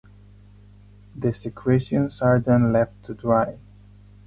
The secretions are then left to dry.